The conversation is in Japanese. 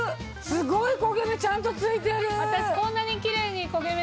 すごい焦げ目ちゃんとついてる！